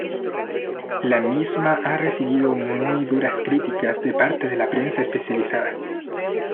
La misma ha recibido muy duras críticas de parte de la prensa especializada.